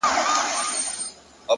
هوښیار انسان لومړی اوري